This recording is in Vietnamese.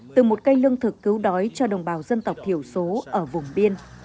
từ một cây lương thực cứu đói cho đồng bào dân tộc thiểu số ở vùng biên